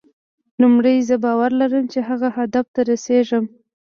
لومړی زه باور لرم چې هغه هدف ته رسېږم.